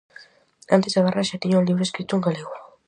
Antes da guerra xa tiña un libro escrito en galego.